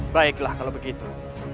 baiklah kalau begitu